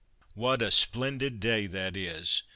What a splendid day that is!